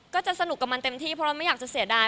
ก็จะสนุกกับมันเต็มที่เพราะเราไม่อยากจะเสียดาย